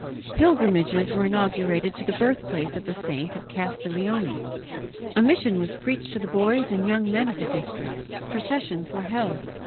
Pilgrimages were inaugurated to the birthplace of the saint at Castiglione; a mission was preached to the boys and young men of the district; processions were held.